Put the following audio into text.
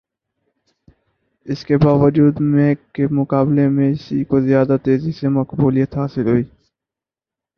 اس کے باوجود میک کے مقابلے میں اسی کو زیادہ تیزی سے مقبولیت حاصل ہوئی